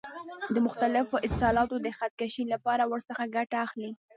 د مختلفو اتصالاتو د خط کشۍ لپاره ورڅخه ګټه اخلي.